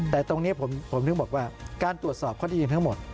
แต่ตรงนี้ผมถึงบอกว่าการตรวจสอบข้อที่จริงทั้งหมด